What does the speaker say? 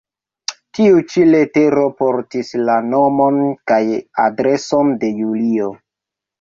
Tiu ĉi letero portis la nomon kaj adreson de Julio.